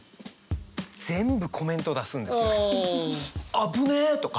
「危ねえ！」とか。